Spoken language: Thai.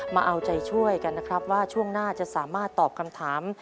มาเอาใจช่วยกันนะครับว่าช่วงหน้าจะสามารถตอบคำถาม